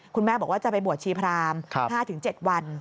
คุณแม่บอกว่าจะไปบวชชีพราม๕๗วัน